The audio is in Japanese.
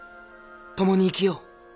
共に生きよう。